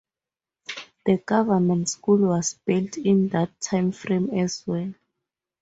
The government school was built in that timeframe as well.